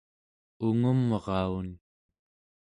ungumraun